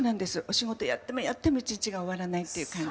お仕事やってもやっても一日が終わらないっていう感じで。